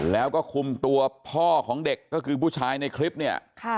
แล้วก็คุมตัวพ่อของเด็กก็คือผู้ชายในคลิปเนี่ย